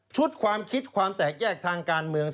ความคิดความแตกแยกทางการเมือง